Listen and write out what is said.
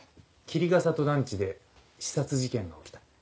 喜里が郷団地で刺殺事件が起きた。